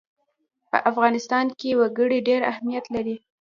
په افغانستان کې وګړي ډېر اهمیت لري.